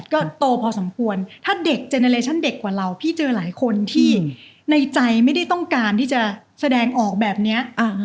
ก็โตพอสมควรถ้าเด็กเจเนอเลชั่นเด็กกว่าเราพี่เจอหลายคนที่ในใจไม่ได้ต้องการที่จะแสดงออกแบบนี้